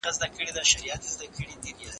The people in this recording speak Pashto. زه غواړم چې په خپله ځمکه کې یو شین باغ جوړ کړم.